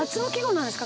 なんですか？